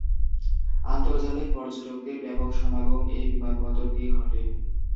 আন্তর্জাতিক পর্যটকদের ব্যাপক সমাগম এ বিমানবন্দর দিয়ে ঘটে।